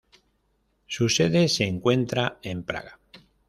Su sede se encuentra en Praga.